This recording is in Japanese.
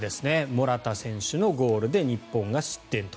モラタ選手のゴールで日本が失点と。